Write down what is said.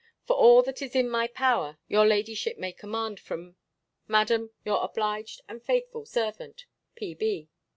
For all that is in my power, your ladyship may command from, Madam, your obliged and faithful servant. P.